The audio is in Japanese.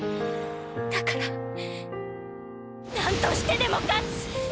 だから何としてでも勝つ！